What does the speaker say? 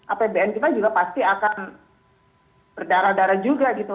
apbn kita juga pasti akan berdarah darah juga gitu